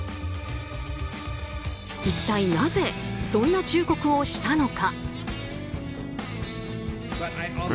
一体なぜ、そんな忠告をしたのか。